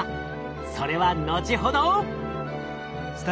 それは後ほど！